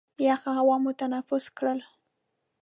یخه هوا مو تنفس کړل.